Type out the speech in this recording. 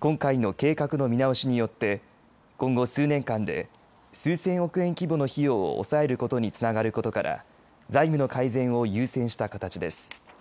今回の計画の見直しによって今後、数年間で数千億円規模の費用を抑えることにつながることから財務の改善を優先した形です。